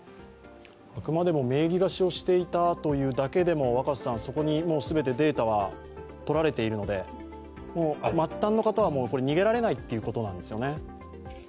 あくまでも名義貸しをしていただけでも、そこに全てデータは取られているので、末端の方は逃げられないということですよね。